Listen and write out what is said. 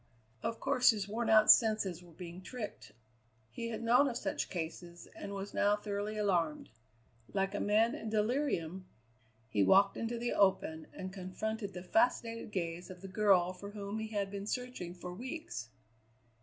Of course his wornout senses were being tricked. He had known of such cases, and was now thoroughly alarmed. Like a man in delirium, he walked into the open and confronted the fascinated gaze of the girl for whom he had been searching for weeks.